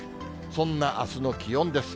そんなあすの気温です。